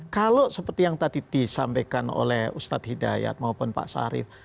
kalau seperti yang tadi disampaikan oleh ustadz hidayat maupun pak sarif